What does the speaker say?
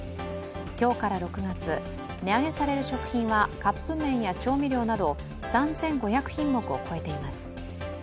今日から６月値上げされる食品はカップ麺や調味料など３５００品目を超えています。